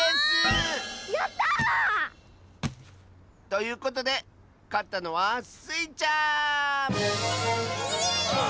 ああやった！ということでかったのはスイちゃん！